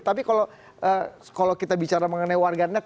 tapi kalau kita bicara mengenai warganet